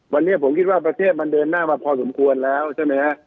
วันนี้ผมคิดว่าประเทศมันเดินหน้ามาพอสมควรแล้วใช่ไหมฮะ